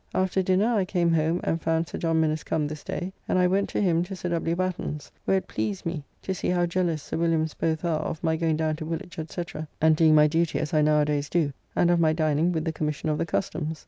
After dinner I came home and found Sir John Minnes come this day, and I went to him to Sir W. Batten's, where it pleased me to see how jealous Sir Williams both are of my going down to Woolwich, &c., and doing my duty as I nowadays do, and of my dining with the Commission of the Customs.